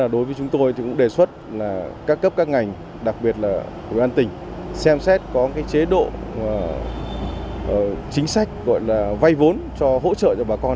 đối với chúng tôi thì cũng đề xuất là các cấp các ngành đặc biệt là ủy ban tỉnh xem xét có chế độ chính sách gọi là vay vốn cho hỗ trợ cho bà con